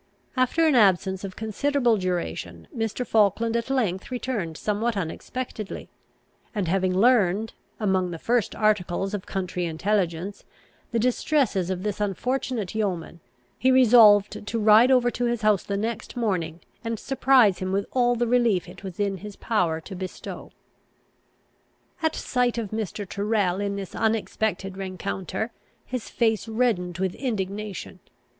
After an absence of considerable duration, Mr. Falkland at length returned somewhat unexpectedly; and having learned, among the first articles of country intelligence, the distresses of this unfortunate yeoman, he resolved to ride over to his house the next morning, and surprise him with all the relief it was in his power to bestow. At sight of Mr. Tyrrel in this unexpected rencounter, his face reddened with indignation.